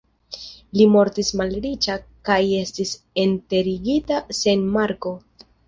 Li mortis malriĉa kaj estis enterigita sen marko.